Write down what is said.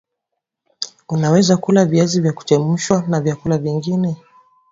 unaweza kula viazi vya kuchemshwa na vyakula vingine